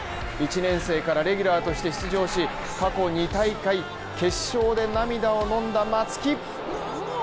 １年生からレギュラーとして出場し、過去２大会決勝で涙をのんだ松木。